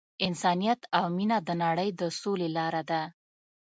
انسانیت او مینه د نړۍ د سولې لاره ده.